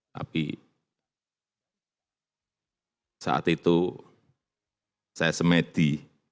tapi saat itu saya semedi